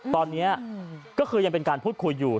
ตอนนี้ก็คือยังเป็นการพูดคุยอยู่